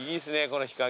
この日陰。